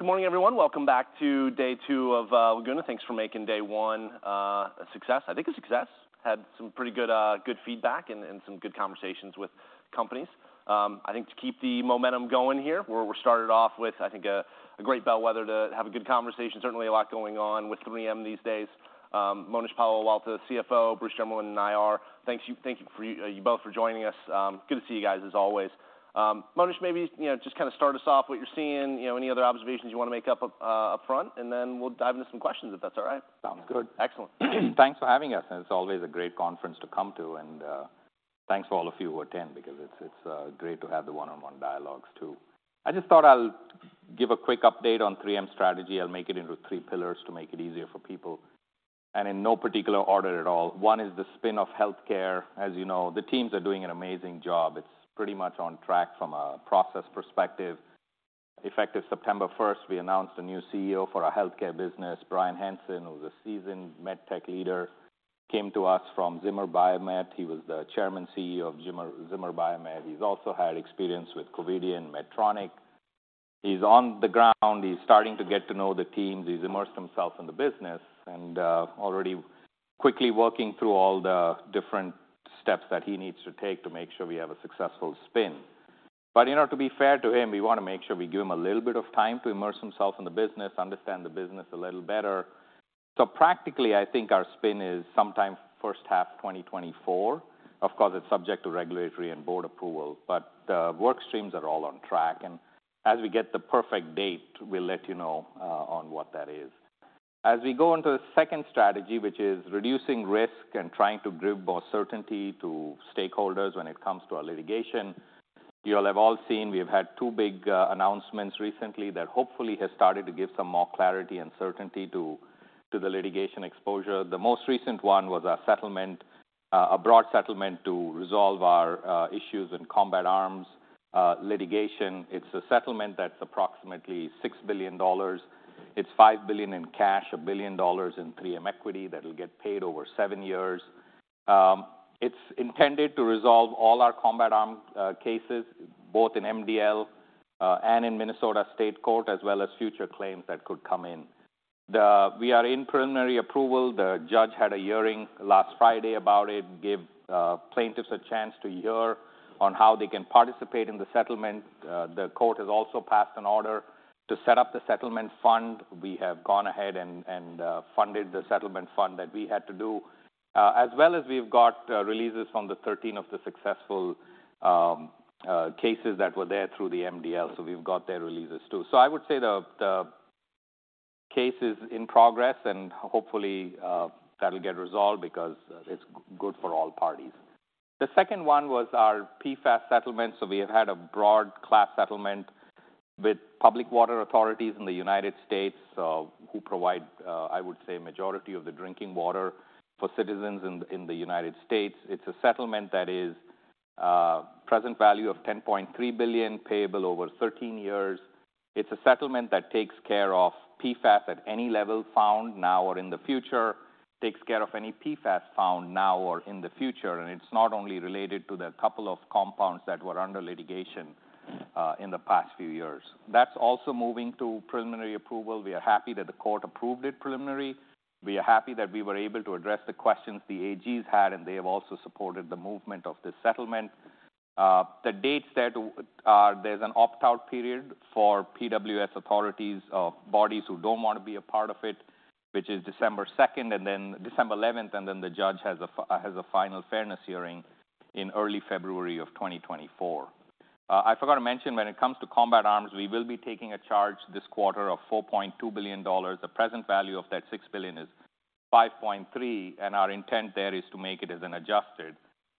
Good morning, everyone. Welcome back to day two of Laguna. Thanks for making day one a success. I think a success. Had some pretty good feedback and some good conversations with companies. I think to keep the momentum going here, we're starting off with, I think, a great bellwether to have a good conversation. Certainly a lot going on with 3M these days. Monish Patolawala, the CFO, Bruce Jermeland in IR, thank you both for joining us. Good to see you guys, as always. Monish, maybe, you know, just kind of start us off, what you're seeing, you know, any other observations you want to make upfront, and then we'll dive into some questions, if that's all right. Sounds good. Excellent. Thanks for having us, and it's always a great conference to come to, and thanks to all of you who attend because it's great to have the one-on-one dialogues too. I just thought I'll give a quick update on 3M's strategy. I'll make it into three pillars to make it easier for people. In no particular order at all, one is the spin of healthcare. As you know, the teams are doing an amazing job. It's pretty much on track from a process perspective. Effective September first, we announced a new CEO for our healthcare business. Bryan Hanson, who's a seasoned MedTech leader, came to us from Zimmer Biomet. He was the chairman, CEO of Zimmer, Zimmer Biomet. He's also had experience with Covidien, Medtronic. He's on the ground, he's starting to get to know the teams, he's immersed himself in the business, and already quickly working through all the different steps that he needs to take to make sure we have a successful spin. But, you know, to be fair to him, we want to make sure we give him a little bit of time to immerse himself in the business, understand the business a little better. So practically, I think our spin is sometime first half 2024. Of course, it's subject to regulatory and board approval, but the work streams are all on track, and as we get the perfect date, we'll let you know on what that is. As we go into the second strategy, which is reducing risk and trying to give more certainty to stakeholders when it comes to our litigation, you all have all seen we've had two big announcements recently that hopefully has started to give some more clarity and certainty to the litigation exposure. The most recent one was a settlement, a broad settlement to resolve our issues in Combat Arms litigation. It's a settlement that's approximately $6 billion. It's $5 billion in cash, $1 billion in 3M equity that will get paid over seven years. It's intended to resolve all our Combat Arms cases, both in MDL and in Minnesota State Court, as well as future claims that could come in. We are in preliminary approval. The judge had a hearing last Friday about it, gave plaintiffs a chance to hear on how they can participate in the settlement. The court has also passed an order to set up the settlement fund. We have gone ahead and funded the settlement fund that we had to do, as well as we've got releases from the 13 of the successful cases that were there through the MDL. So we've got their releases too. So I would say the case is in progress, and hopefully that'll get resolved because it's good for all parties. The second one was our PFAS settlement. So we have had a broad class settlement with public water authorities in the United States, who provide I would say majority of the drinking water for citizens in the United States. It's a settlement that is, present value of $10.3 billion, payable over 13 years. It's a settlement that takes care of PFAS at any level found now or in the future, takes care of any PFAS found now or in the future, and it's not only related to the couple of compounds that were under litigation, in the past few years. That's also moving to preliminary approval. We are happy that the court approved it preliminarily. We are happy that we were able to address the questions the AGs had, and they have also supported the movement of this settlement. The dates that, there's an opt-out period for PWS authorities, bodies who don't want to be a part of it, which is December 2nd, and then December 11th, and then the judge has a final fairness hearing in early February of 2024. I forgot to mention, when it comes to Combat Arms, we will be taking a charge this quarter of $4.2 billion. The present value of that $6 billion is $5.3 billion, and our intent there is to make it as an adjusted,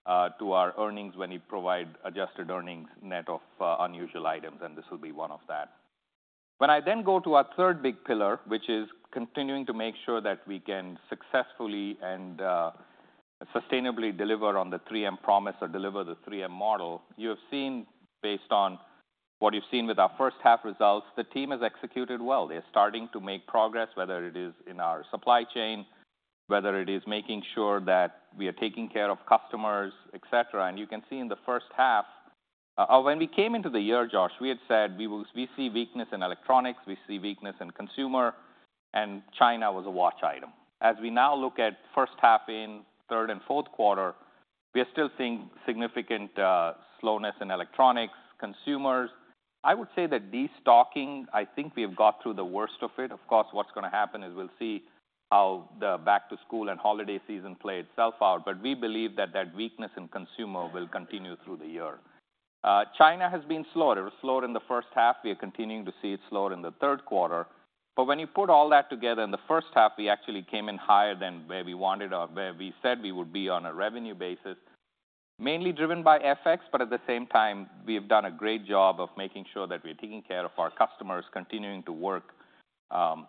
to our earnings when we provide adjusted earnings net of, unusual items, and this will be one of that. When I then go to our third big pillar, which is continuing to make sure that we can successfully and sustainably deliver on the 3M promise or deliver the 3M model, you have seen, based on what you've seen with our first half results, the team has executed well. They're starting to make progress, whether it is in our supply chain, whether it is making sure that we are taking care of customers, et cetera. And you can see in the first half. When we came into the year, Josh, we had said we see weakness in electronics, we see weakness in consumer, and China was a watch item. As we now look at first half in third and fourth quarter, we are still seeing significant slowness in electronics, consumers. I would say that destocking, I think we have got through the worst of it. Of course, what's going to happen is we'll see how the back to school and holiday season play itself out, but we believe that that weakness in consumer will continue through the year. China has been slower. It was slower in the first half. We are continuing to see it slower in the third quarter. But when you put all that together, in the first half, we actually came in higher than where we wanted or where we said we would be on a revenue basis, mainly driven by FX, but at the same time, we have done a great job of making sure that we are taking care of our customers, continuing to work,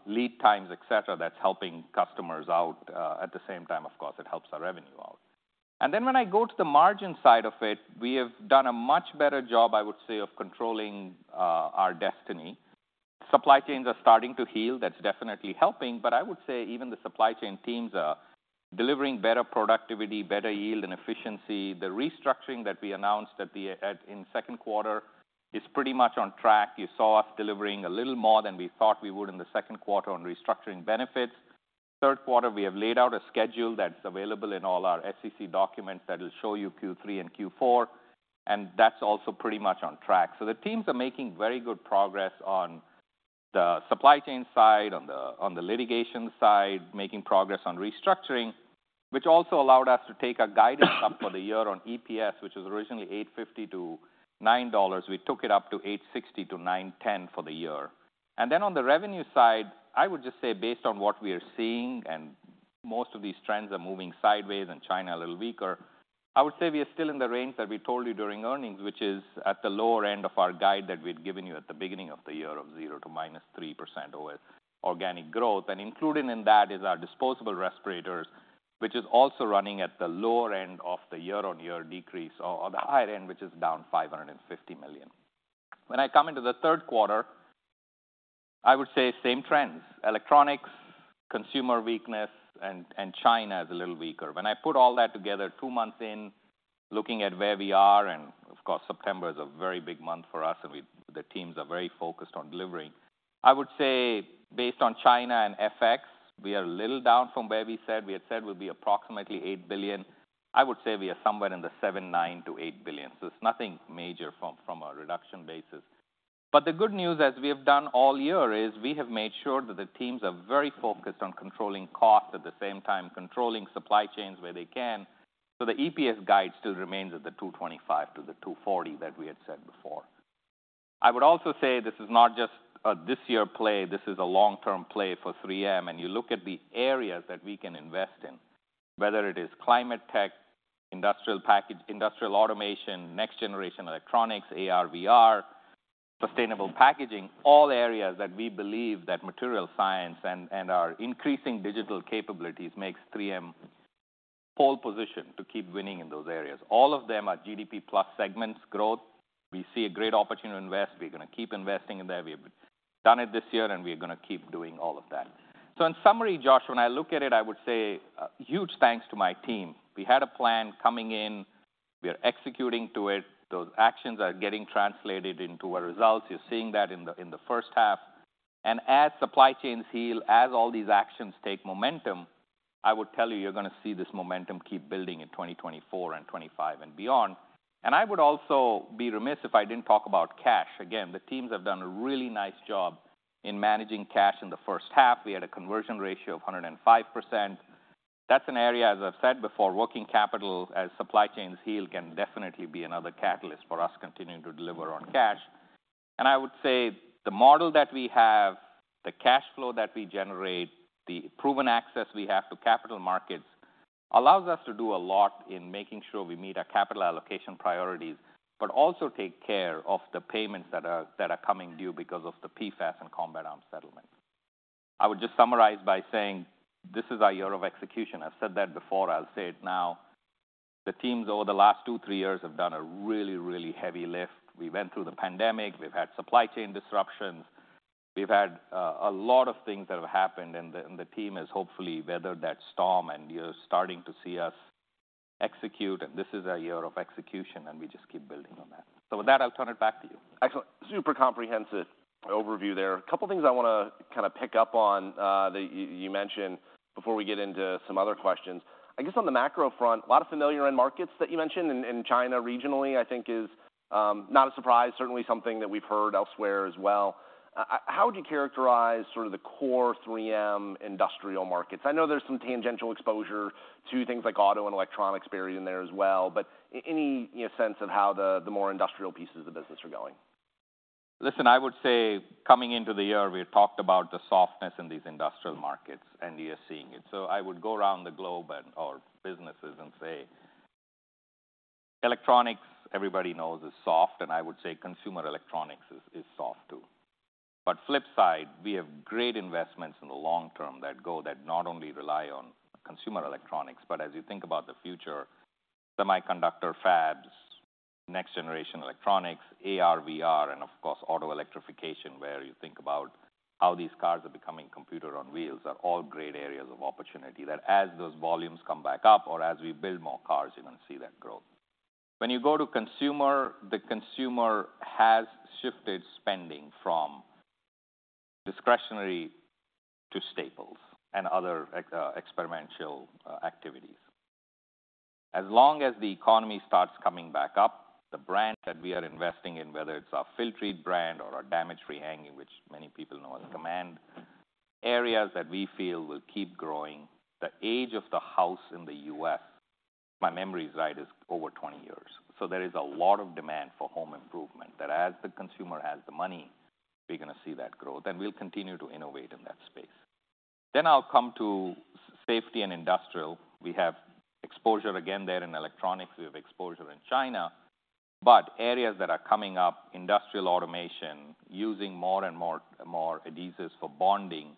lead times, et cetera, that's helping customers out. At the same time, of course, it helps our revenue out. Then when I go to the margin side of it, we have done a much better job, I would say, of controlling our destiny. Supply chains are starting to heal. That's definitely helping. But I would say even the supply chain teams are delivering better productivity, better yield and efficiency. The restructuring that we announced in the second quarter is pretty much on track. You saw us delivering a little more than we thought we would in the second quarter on restructuring benefits. Third quarter, we have laid out a schedule that's available in all our SEC documents that will show you Q3 and Q4, and that's also pretty much on track. So the teams are making very good progress on the supply chain side, on the litigation side, making progress on restructuring, which also allowed us to take our guidance up for the year on EPS, which was originally $8.50-$9. We took it up to $8.60-$9.10 for the year. And then on the revenue side, I would just say, based on what we are seeing, and most of these trends are moving sideways and China a little weaker, I would say we are still in the range that we told you during earnings, which is at the lower end of our guide that we'd given you at the beginning of the year of 0% to -3% with organic growth. And included in that is our disposable respirators, which is also running at the lower end of the year-on-year decrease, or on the higher end, which is down $550 million. When I come into the third quarter, I would say same trends: electronics, consumer weakness, and, and China is a little weaker. When I put all that together, two months in, looking at where we are, and of course, September is a very big month for us, and we- the teams are very focused on delivering. I would say based on China and FX, we are a little down from where we said. We had said we'd be approximately $8 billion. I would say we are somewhere in the $7.9 billion-$8 billion, so it's nothing major from, from a reduction basis. But the good news, as we have done all year, is we have made sure that the teams are very focused on controlling costs, at the same time, controlling supply chains where they can, so the EPS guide still remains at the $2.25-$2.40 that we had said before. I would also say this is not just a this-year play, this is a long-term play for 3M, and you look at the areas that we can invest in, whether it is climate tech, industrial package, industrial automation, next-generation electronics, AR/VR, sustainable packaging, all areas that we believe that material science and our increasing digital capabilities makes 3M pole position to keep winning in those areas. All of them are GDP plus segments growth. We see a great opportunity to invest. We're going to keep investing in there. We've done it this year, and we are going to keep doing all of that. In summary, Josh, when I look at it, I would say, huge thanks to my team. We had a plan coming in, we are executing to it. Those actions are getting translated into our results. You're seeing that in the first half. As supply chains heal, as all these actions take momentum, I would tell you, you're going to see this momentum keep building in 2024 and 2025 and beyond. I would also be remiss if I didn't talk about cash. Again, the teams have done a really nice job in managing cash in the first half. We had a conversion ratio of 105%. That's an area, as I've said before, working capital as supply chains heal, can definitely be another catalyst for us continuing to deliver on cash. I would say the model that we have, the cash flow that we generate, the proven access we have to capital markets, allows us to do a lot in making sure we meet our capital allocation priorities, but also take care of the payments that are coming due because of the PFAS and Combat Arms settlement. I would just summarize by saying this is our year of execution. I've said that before, I'll say it now. The teams over the last two, three years have done a really, really heavy lift. We went through the pandemic. We've had supply chain disruptions. We've had a lot of things that have happened, and the team has hopefully weathered that storm, and you're starting to see us execute. This is our year of execution, and we just keep building on that. With that, I'll turn it back to you. Excellent. Super comprehensive overview there. A couple of things I want to kind of pick up on, that you mentioned before we get into some other questions. I guess on the macro front, a lot of familiar end markets that you mentioned in China, regionally, I think is not a surprise, certainly something that we've heard elsewhere as well. How would you characterize sort of the core 3M industrial markets? I know there's some tangential exposure to things like auto and electronics buried in there as well, but any sense of how the more industrial pieces of the business are going? Listen, I would say coming into the year, we had talked about the softness in these industrial markets, and you're seeing it. So I would go around the globe or businesses and say, electronics, everybody knows, is soft, and I would say consumer electronics is soft too. But flip side, we have great investments in the long term that go, that not only rely on consumer electronics, but as you think about the future, semiconductor fabs, next-generation electronics, AR/VR, and of course, auto electrification, where you think about how these cars are becoming computer on wheels, are all great areas of opportunity, that as those volumes come back up or as we build more cars, you're going to see that growth. When you go to consumer, the consumer has shifted spending from discretionary to staples and other experimental activities. As long as the economy starts coming back up, the brand that we are investing in, whether it's our Filtrete brand or our Damage-Free Hanging, which many people know as Command, areas that we feel will keep growing. The age of the house in the U.S., if my memory is right, is over 20 years. So there is a lot of demand for home improvement, that as the consumer has the money, we're going to see that growth, and we'll continue to innovate in that space. Then I'll come to safety and industrial. We have exposure again there in electronics. We have exposure in China, but areas that are coming up, industrial automation, using more and more, more adhesives for bonding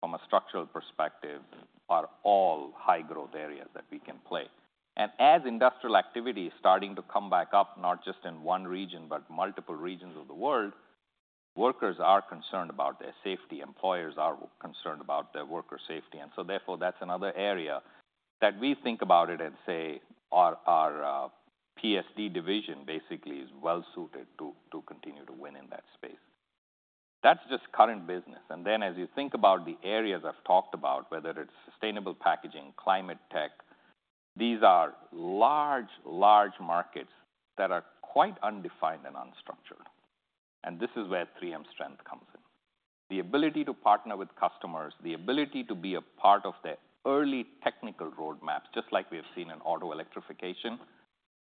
from a structural perspective, are all high-growth areas that we can play. As industrial activity is starting to come back up, not just in one region, but multiple regions of the world. Workers are concerned about their safety, employers are concerned about their worker safety, and so therefore, that's another area that we think about it and say, our, our, PSD division basically is well suited to, to continue to win in that space. That's just current business. And then as you think about the areas I've talked about, whether it's sustainable packaging, climate tech, these are large, large markets that are quite undefined and unstructured, and this is where 3M's strength comes in. The ability to partner with customers, the ability to be a part of the early technical roadmaps, just like we have seen in auto electrification,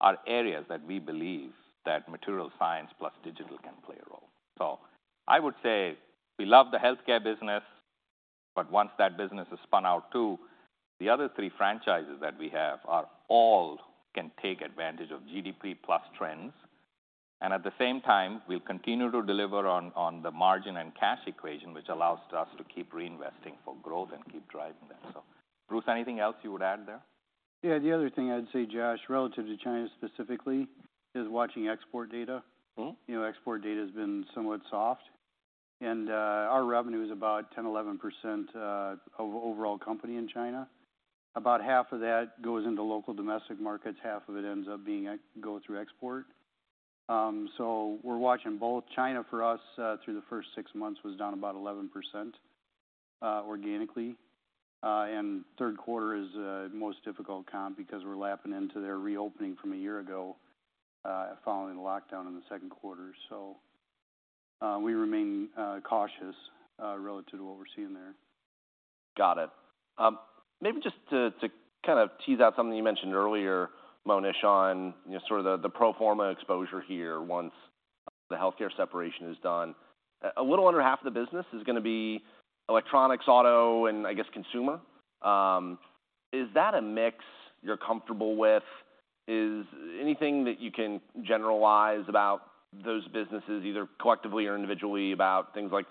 are areas that we believe that material science plus digital can play a role. So, I would say we love the healthcare business, but once that business is spun out too, the other three franchises that we have are all can take advantage of GDP plus trends. And at the same time, we'll continue to deliver on the margin and cash equation, which allows us to keep reinvesting for growth and keep driving that. So, Bruce, anything else you would add there? Yeah, the other thing I'd say, Josh, relative to China specifically, is watching export data. Mm-hmm. You know, export data has been somewhat soft, and our revenue is about 10%-11% of overall company in China. About half of that goes into local domestic markets, half of it ends up going through export. So we're watching both. China, for us, through the first six months, was down about 11% organically. And third quarter is most difficult comp because we're lapping into their reopening from a year ago, following the lockdown in the second quarter. So we remain cautious relative to what we're seeing there. Got it. Maybe just to kind of tease out something you mentioned earlier, Monish, on, you know, sort of the pro forma exposure here once the healthcare separation is done. A little under half of the business is gonna be electronics, auto, and I guess consumer. Is that a mix you're comfortable with? Is anything that you can generalize about those businesses, either collectively or individually, about things like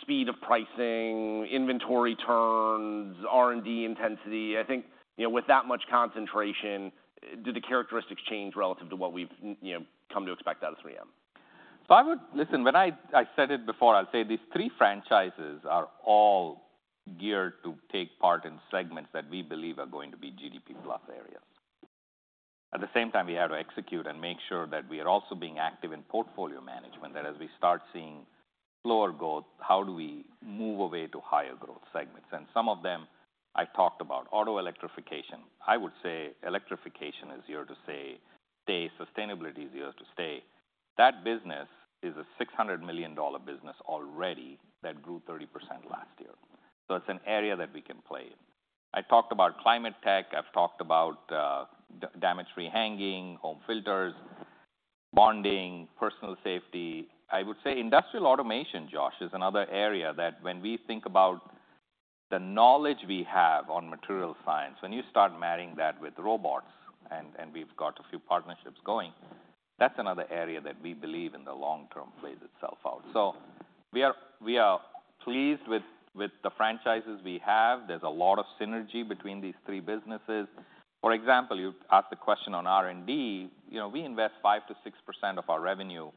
speed of pricing, inventory turns, R&D intensity? I think, you know, with that much concentration, do the characteristics change relative to what we've you know, come to expect out of 3M? So I would, listen, when I, I said it before, I'll say these three franchises are all geared to take part in segments that we believe are going to be GDP-plus areas. At the same time, we have to execute and make sure that we are also being active in portfolio management, that as we start seeing slower growth, how do we move away to higher growth segments? And some of them I've talked about, auto electrification. I would say electrification is here to stay. Sustainability is here to stay. That business is a $600 million business already that grew 30% last year, so it's an area that we can play in. I talked about climate tech, I've talked about damage-free hanging, home filters, bonding, personal safety. I would say industrial automation, Josh, is another area that when we think about the knowledge we have on material science, when you start marrying that with robots, and, and we've got a few partnerships going, that's another area that we believe in the long term plays itself out. So we are, we are pleased with, with the franchises we have. There's a lot of synergy between these three businesses. For example, you asked a question on R&D. You know, we invest 5%-6% of our revenue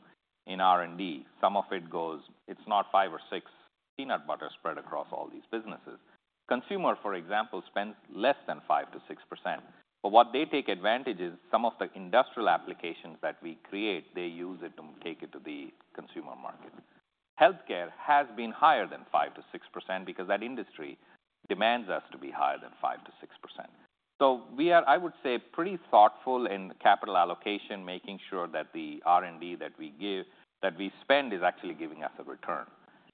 in R&D. Some of it goes, it's not 5% or 6% peanut butter spread across all these businesses. Consumer, for example, spends less than 5%-6%, but what they take advantage is some of the industrial applications that we create, they use it to take it to the consumer market. Healthcare has been higher than 5%-6% because that industry demands us to be higher than 5%-6%. So we are, I would say, pretty thoughtful in the capital allocation, making sure that the R&D that we spend is actually giving us a return.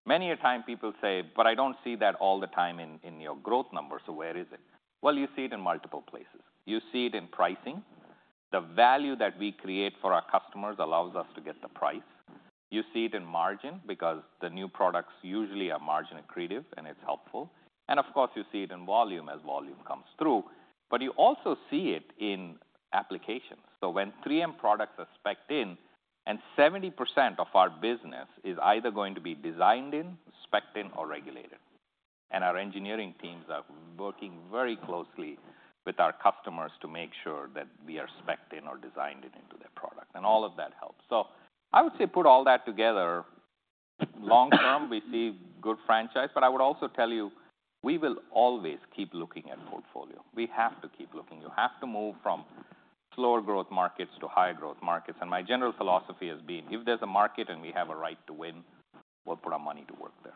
Many a time people say, "But I don't see that all the time in your growth numbers, so where is it?" Well, you see it in multiple places. You see it in pricing. The value that we create for our customers allows us to get the price. You see it in margin, because the new products usually are margin accretive, and it's helpful. And of course, you see it in volume as volume comes through. But you also see it in applications. So when 3M products are spec'd in, and 70% of our business is either going to be designed in, spec'd in, or regulated, and our engineering teams are working very closely with our customers to make sure that we are spec'd in or designed it into their product, and all of that helps. So I would say put all that together, long term, we see good franchise, but I would also tell you, we will always keep looking at portfolio. We have to keep looking. You have to move from slower growth markets to higher growth markets. And my general philosophy has been: if there's a market and we have a right to win, we'll put our money to work there.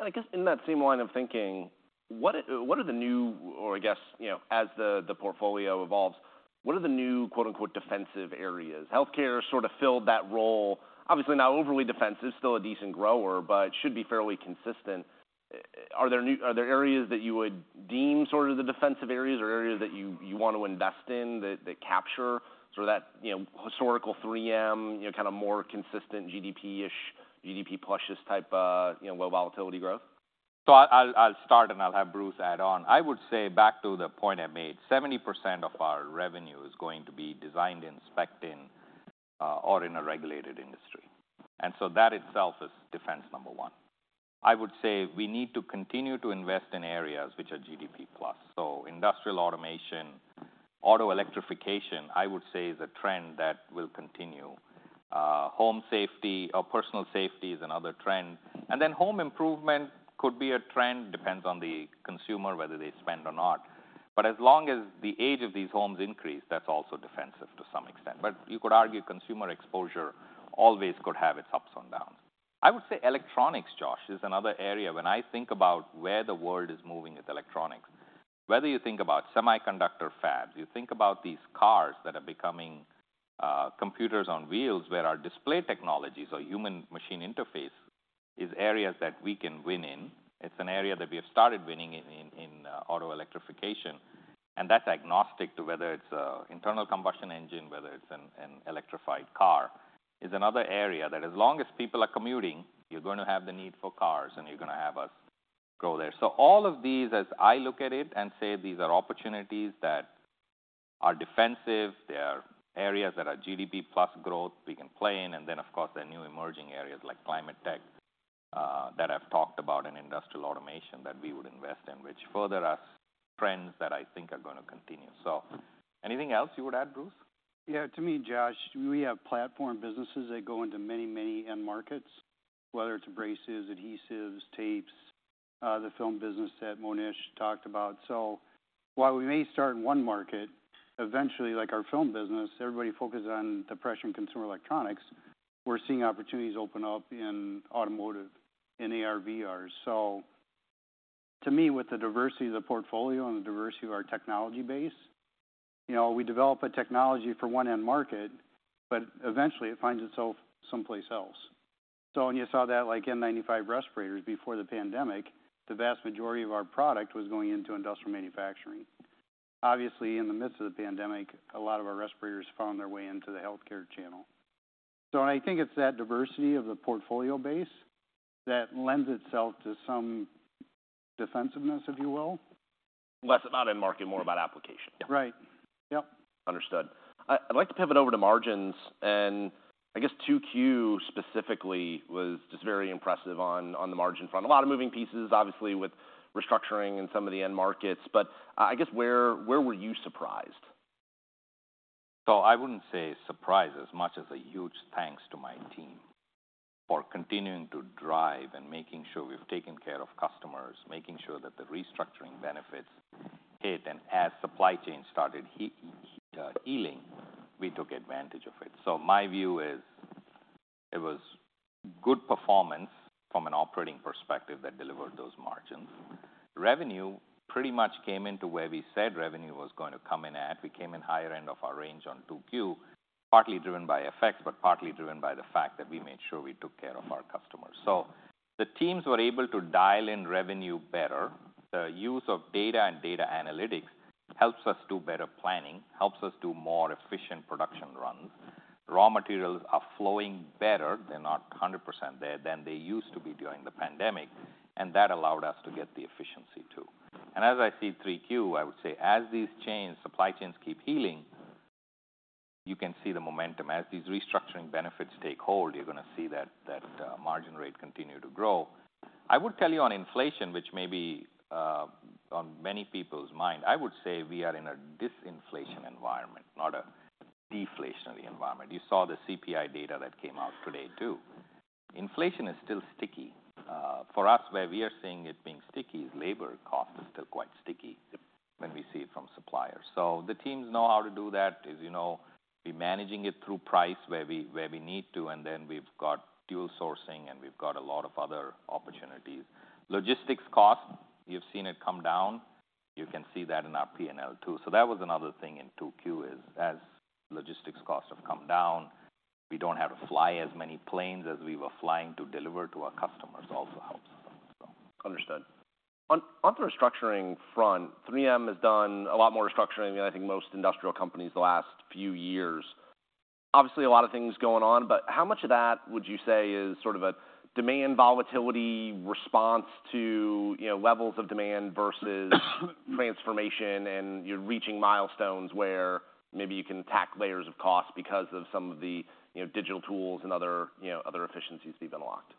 I guess in that same line of thinking, what are the new, or I guess, you know, as the portfolio evolves, what are the new, quote, unquote, "defensive areas?" Healthcare sort of filled that role. Obviously, not overly defensive, still a decent grower, but should be fairly consistent. Are there areas that you would deem sort of the defensive areas or areas that you want to invest in, that capture sort of that, you know, historical 3M, you know, kind of more consistent GDP-ish, GDP plus-ish type, low volatility growth? So I'll, I'll start and I'll have Bruce add on. I would say back to the point I made, 70% of our revenue is going to be designed in, spec'd in, or in a regulated industry, and so that itself is defense number one. I would say we need to continue to invest in areas which are GDP plus. So industrial automation, auto electrification, I would say, is a trend that will continue. Home safety or personal safety is another trend, and then home improvement could be a trend, depends on the consumer, whether they spend or not. But as long as the age of these homes increase, that's also defensive to some extent. But you could argue consumer exposure always could have its ups and downs. I would say electronics, Josh, is another area. When I think about where the world is moving, it's electronics. Whether you think about semiconductor fabs, you think about these cars that are becoming computers on wheels, where our display technologies or human-machine interface is areas that we can win in. It's an area that we have started winning in auto electrification, and that's agnostic to whether it's an internal combustion engine, whether it's an electrified car. It's another area that as long as people are commuting, you're going to have the need for cars, and you're going to have us go there. So all of these, as I look at it, and say these are opportunities that are defensive, they are areas that are GDP plus growth we can play in, and then, of course, there are new emerging areas like climate tech, that I've talked about in industrial automation that we would invest in, which further are trends that I think are going to continue. So anything else you would add, Bruce? Yeah. To me, Josh, we have platform businesses that go into many, many end markets, whether it's braces, adhesives, tapes, the film business that Monish talked about. So while we may start in one market, eventually, like our film business, everybody focuses on displays, consumer electronics. We're seeing opportunities open up in automotive, in AR/VR. So to me, with the diversity of the portfolio and the diversity of our technology base, you know, we develop a technology for one end market, but eventually it finds itself someplace else. So when you saw that, like N95 respirators before the pandemic, the vast majority of our product was going into industrial manufacturing. Obviously, in the midst of the pandemic, a lot of our respirators found their way into the healthcare channel. So I think it's that diversity of the portfolio base that lends itself to some defensiveness, if you will. Less about end market, more about application. Right. Yep. Understood. I'd like to pivot over to margins, and I guess Q2 specifically was just very impressive on the margin front. A lot of moving pieces, obviously, with restructuring in some of the end markets, but I guess where were you surprised? So I wouldn't say surprised as much as a huge thanks to my team for continuing to drive and making sure we've taken care of customers, making sure that the restructuring benefits hit, and as supply chain started healing, we took advantage of it. So my view is it was good performance from an operating perspective that delivered those margins. Revenue pretty much came into where we said revenue was going to come in at. We came in higher end of our range on 2Q, partly driven by effects, but partly driven by the fact that we made sure we took care of our customers. So the teams were able to dial in revenue better. The use of data and data analytics helps us do better planning, helps us do more efficient production runs. Raw materials are flowing better. They're not 100% there than they used to be during the pandemic, and that allowed us to get the efficiency, too. And as I see Q3, I would say as these chains, supply chains keep healing, you can see the momentum. As these restructuring benefits take hold, you're going to see that, that margin rate continue to grow. I would tell you on inflation, which may be on many people's mind, I would say we are in a disinflation environment, not a deflationary environment. You saw the CPI data that came out today, too. Inflation is still sticky. For us, where we are seeing it being sticky is labor cost is still quite sticky- Yep. When we see it from suppliers. So the teams know how to do that. As you know, we're managing it through price, where we, where we need to, and then we've got dual sourcing, and we've got a lot of other opportunities. Logistics costs, you've seen it come down. You can see that in our P&L, too. So that was another thing in 2Q, is as logistics costs have come down, we don't have to fly as many planes as we were flying to deliver to our customers. Also helps, so. Understood. On the restructuring front, 3M has done a lot more restructuring than I think most industrial companies the last few years. Obviously, a lot of things going on, but how much of that would you say is sort of a demand volatility response to, you know, levels of demand versus transformation, and you're reaching milestones where maybe you can tack layers of cost because of some of the, you know, digital tools and other, you know, other efficiencies you've unlocked?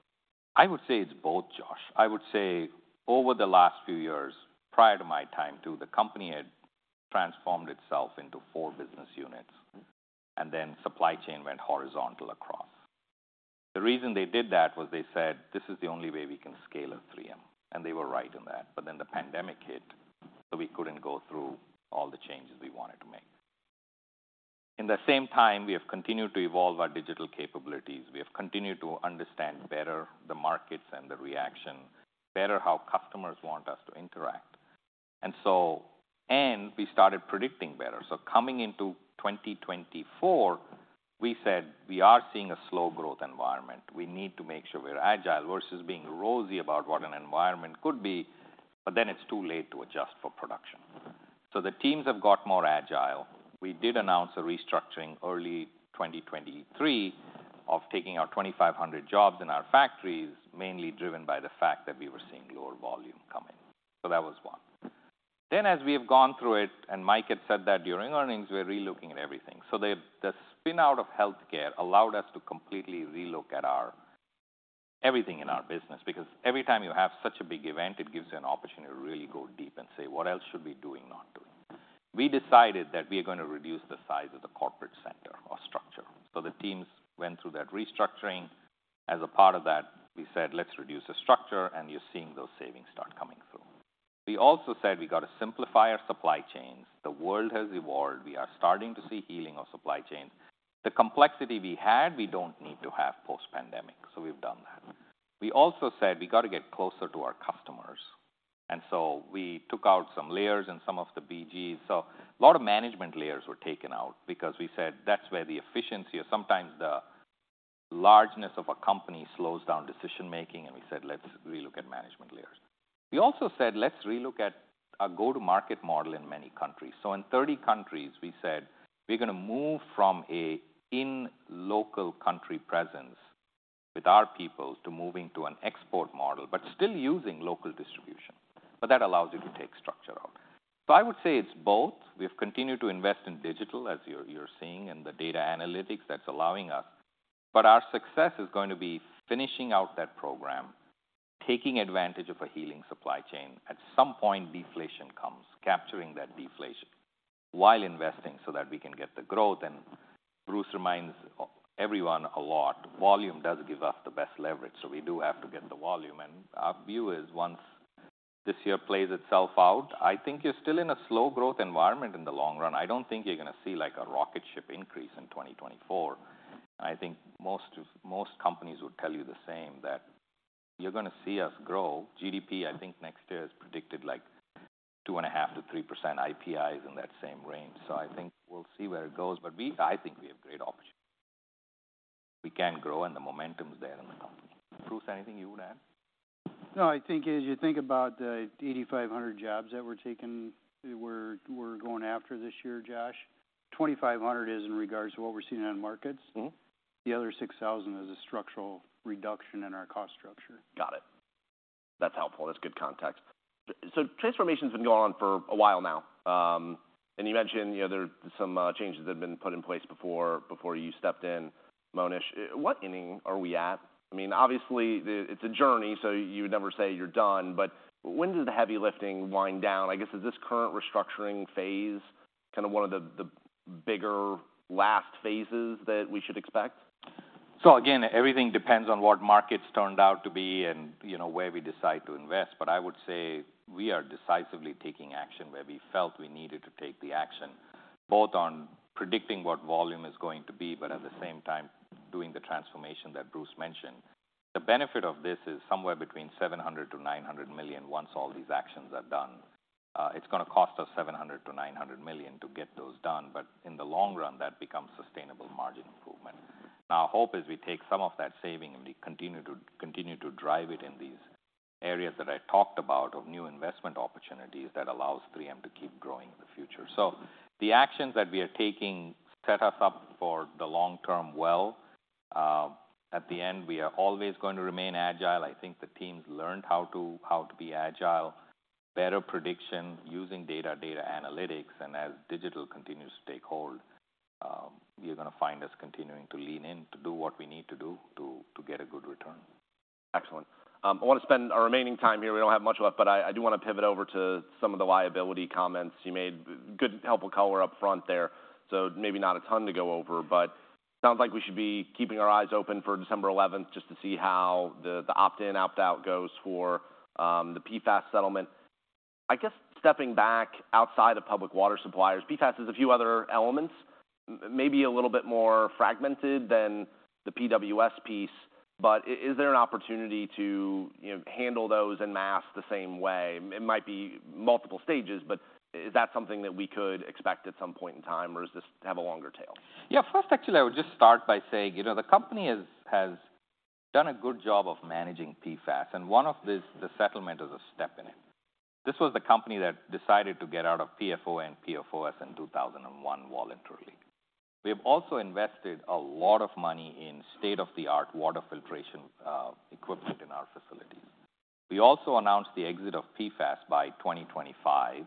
I would say it's both, Josh. I would say over the last few years, prior to my time, too, the company had transformed itself into four business units. Mm-hmm And then supply chain went horizontal across. The reason they did that was they said, "This is the only way we can scale at 3M," and they were right in that. But then the pandemic hit, so we couldn't go through all the changes we wanted to make. In the same time, we have continued to evolve our digital capabilities. We have continued to understand better the markets and the reaction, better how customers want us to interact, and we started predicting better. So coming into 2024, we said we are seeing a slow growth environment. We need to make sure we're agile versus being rosy about what an environment could be, but then it's too late to adjust for production. So the teams have got more agile. We did announce a restructuring early 2023 of taking our 2,500 jobs in our factories, mainly driven by the fact that we were seeing lower volume coming. So that was one. Then as we have gone through it, and Mike had said that during earnings, we're relooking at everything. So the spin out of healthcare allowed us to completely relook at our everything in our business, because every time you have such a big event, it gives you an opportunity to really go deep and say: What else should we be doing, not doing? We decided that we are gonna reduce the size of the corporate center or structure. So the teams went through that restructuring. As a part of that, we said, "Let's reduce the structure," and you're seeing those savings start coming through. We also said we got to simplify our supply chains. The world has evolved. We are starting to see healing of supply chains. The complexity we had, we don't need to have post-pandemic, so we've done that. We also said we got to get closer to our customers, and so we took out some layers and some of the BGs. So a lot of management layers were taken out because we said that's where the efficiency or sometimes the largeness of a company slows down decision-making, and we said, "Let's relook at management layers." We also said, "Let's relook at our go-to-market model in many countries." So in 30 countries, we said we're gonna move from a in-local country presence with our people to moving to an export model, but still using local distribution. But that allows you to take structure out. So I would say it's both. We've continued to invest in digital, as you're, you're seeing, and the data analytics that's allowing us. But our success is going to be finishing out that program, taking advantage of a healing supply chain. At some point, deflation comes, capturing that deflation while investing so that we can get the growth. And Bruce reminds everyone a lot, volume does give us the best leverage, so we do have to get the volume. And our view is once this year plays itself out, I think you're still in a slow growth environment in the long run. I don't think you're gonna see, like, a rocket ship increase in 2024. I think most of, most companies would tell you the same, that you're gonna see us grow. GDP, I think next year, is predicted, like, 2.5%-3%. IPI is in that same range. So I think we'll see where it goes, but we, I think we have great opportunities. We can grow, and the momentum is there in the company. Bruce, anything you would add? No, I think as you think about the 8,500 jobs that we're taking, we're going after this year, Josh, 2,500 is in regards to what we're seeing on markets. Mm-hmm. The other $6,000 is a structural reduction in our cost structure. Got it. That's helpful. That's good context. So transformation's been going on for a while now, and you mentioned, you know, there are some changes that have been put in place before you stepped in, Monish. What inning are we at? I mean, obviously, it's a journey, so you would never say you're done, but when does the heavy lifting wind down? I guess, is this current restructuring phase kind of one of the bigger last phases that we should expect? So again, everything depends on what markets turned out to be and, you know, where we decide to invest. But I would say we are decisively taking action where we felt we needed to take the action, both on predicting what volume is going to be, but at the same time, doing the transformation that Bruce mentioned. The benefit of this is somewhere between $700 million-$900 million once all these actions are done. It's gonna cost us $700 million-$900 million to get those done, but in the long run, that becomes sustainable margin improvement. Now, our hope is we take some of that saving, and we continue to, continue to drive it in these areas that I talked about of new investment opportunities that allows 3M to keep growing in the future. The actions that we are taking set us up for the long term well. At the end, we are always going to remain agile. I think the teams learned how to be agile, better prediction using data, data analytics, and as digital continues to take hold, you're gonna find us continuing to lean in to do what we need to do to get a good return. Excellent. I want to spend our remaining time here, we don't have much left, but I do want to pivot over to some of the liability comments you made. Good helpful color upfront there, so maybe not a ton to go over, but sounds like we should be keeping our eyes open for December eleventh just to see how the, the opt-in, opt-out goes for, the PFAS settlement. I guess stepping back outside of public water suppliers, PFAS has a few other elements, maybe a little bit more fragmented than the PWS piece, but is there an opportunity to, you know, handle those en masse the same way? It might be multiple stages, but is that something that we could expect at some point in time, or does this have a longer tail? Yeah. First, actually, I would just start by saying, you know, the company has done a good job of managing PFAS, and one of the settlement is a step in it. This was the company that decided to get out of PFO and PFOS in 2001 voluntarily. We have also invested a lot of money in state-of-the-art water filtration equipment in our facilities. We also announced the exit of PFAS by 2025,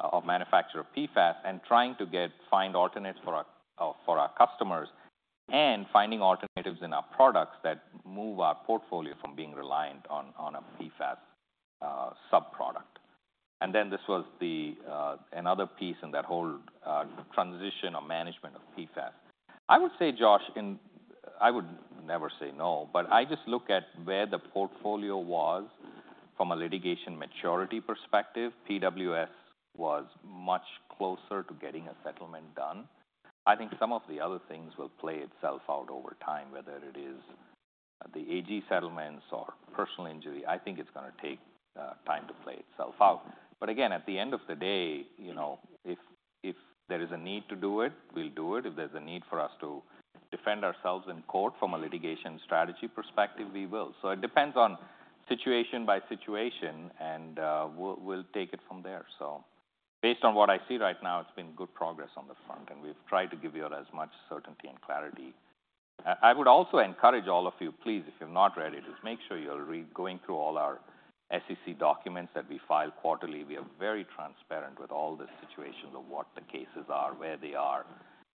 of manufacture of PFAS, and trying to find alternatives for our customers, and finding alternatives in our products that move our portfolio from being reliant on a PFAS sub-product. And then this was another piece in that whole transition or management of PFAS. I would say, Josh, and I would never say no, but I just look at where the portfolio was from a litigation maturity perspective. PWS was much closer to getting a settlement done. I think some of the other things will play itself out over time, whether it is the AG settlements or personal injury. I think it's gonna take time to play itself out. But again, at the end of the day, you know, if there is a need to do it, we'll do it. If there's a need for us to defend ourselves in court from a litigation strategy perspective, we will. So it depends on situation by situation, and we'll take it from there. So based on what I see right now, it's been good progress on the front, and we've tried to give you all as much certainty and clarity. I would also encourage all of you, please, if you're not ready, just make sure you're going through all our SEC documents that we file quarterly. We are very transparent with all the situations of what the cases are, where they are,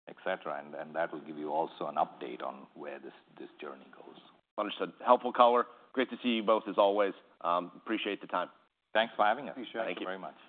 et cetera, and that will give you also an update on where this journey goes. Understood. Helpful color. Great to see you both as always. Appreciate the time. Thanks for having us. Appreciate it very much.